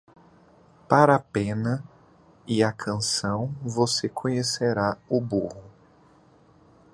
Para a pena e a canção você conhecerá o burro.